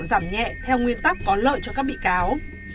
giảm nhẹ theo nguyên tắc có lợi cho các bị cáo